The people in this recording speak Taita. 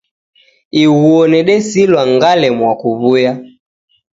Ighuo nedesilwa ngalemwa kuw'uya.